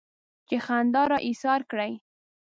چې خندا را ايساره کړي.